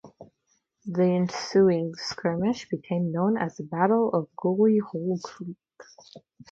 The ensuing skirmish became known as the Battle of Gully Hole Creek.